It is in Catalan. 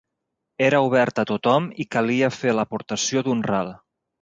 Era oberta a tothom i calia fer l'aportació d'un ral.